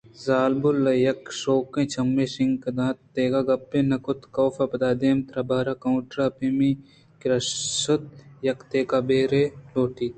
زالبول ءَ یک کشوکائی چمّے شانک داتءُدگہ گپےّ نہ کُت کاف پدا دیمترا بار ءِ کاوئنٹر ءَ پیپی کِرّا شت ءُیک دگہ بئیر ے لوٹ اِت